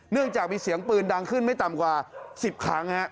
จากมีเสียงปืนดังขึ้นไม่ต่ำกว่า๑๐ครั้ง